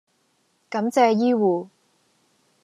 感謝醫護